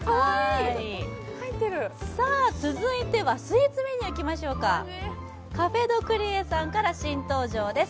続いてはスイーツメニューいきましょうカフェ・ド・クリエさんから新シリーズです。